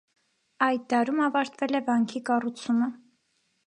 Այդ դարում ավարտվել է վանքի կառուցումը։